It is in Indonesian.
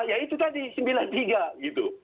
ya itu tadi sembilan puluh tiga gitu